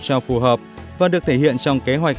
cho phù hợp và được thể hiện trong kế hoạch